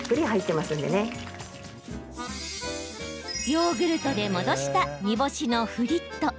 ヨーグルトで戻した煮干しのフリット。